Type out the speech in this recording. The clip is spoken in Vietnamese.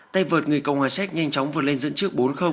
tay vượt người cộng hòa xét nhanh chóng vượt lên dẫn trước bốn